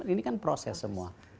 ini kan proses semua